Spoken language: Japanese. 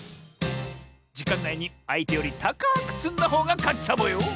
じかんないにあいてよりたかくつんだほうがかちサボよ！